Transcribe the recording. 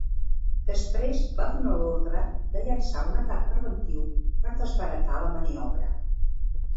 Després va donar l'ordre de llençar un atac preventiu per desbaratar la maniobra.